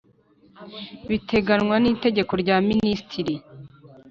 bigenwa n iteka rya Minisitiri